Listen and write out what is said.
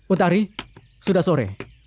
utari sudah sore